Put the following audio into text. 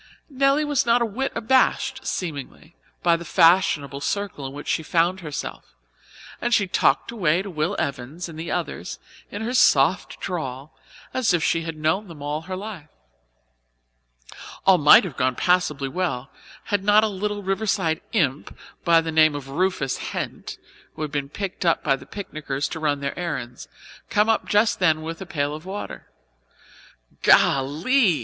Nelly was not a whit abashed, seemingly, by the fashionable circle in which she found herself, and she talked away to Will Evans and the others in her soft drawl as if she had known them all her life. All might have gone passably well, had not a little Riverside imp, by name of Rufus Hent, who had been picked up by the picnickers to run their errands, come up just then with a pail of water. "Golly!"